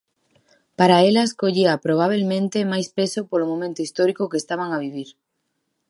Para elas collía probabelmente máis peso polo momento histórico que estaban a vivir.